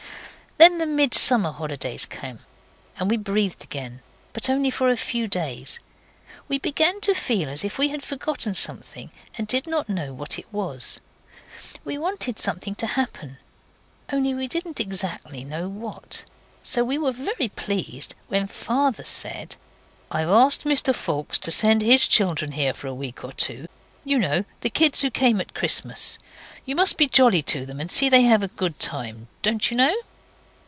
Then the Midsummer holidays came, and we breathed again but only for a few days. We began to feel as if we had forgotten something, and did not know what it was. We wanted something to happen only we didn't exactly know what. So we were very pleased when Father said 'I've asked Mr Foulkes to send his children here for a week or two. You know the kids who came at Christmas. You must be jolly to them, and see that they have a good time, don't you know.